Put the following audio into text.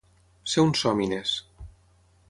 Ser un sòmines.